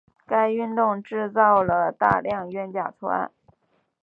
该运动制造了大量冤假错案。